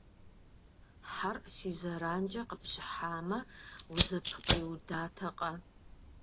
Хьэр си зэранкӏэ къыпщӏыхьамэ, узэпкъриудатэкъэ.